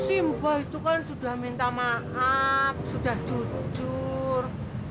simbol itu kan sudah minta maaf sudah jujur